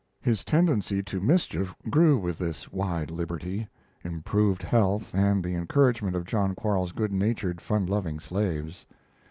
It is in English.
His tendency to mischief grew with this wide liberty, improved health, and the encouragement of John Quarles's good natured, fun loving slaves.